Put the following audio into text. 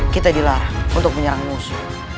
kita dilarang untuk menyerang musuh